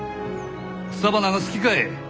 草花が好きかえ？